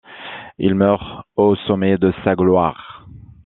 Il meurt au sommet de sa gloire.